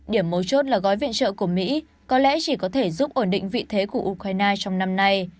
điểm mấu chốt là gói viện trợ của mỹ có lẽ chỉ có thể giúp ổn định vị thế của ukraine trong năm nay